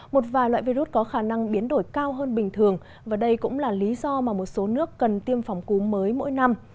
một vài loại virus có khả năng biến đổi cao hơn bình thường và đây cũng là lý do mà một số nước cần tiêm phòng cúm mới mỗi năm